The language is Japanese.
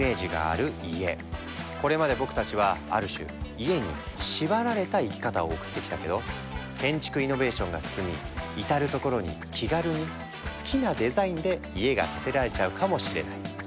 これまで僕たちはある種家に縛られた生き方を送ってきたけど建築イノベーションが進み至る所に気軽に好きなデザインで家が建てられちゃうかもしれない。